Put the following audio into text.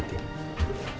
mandi mas al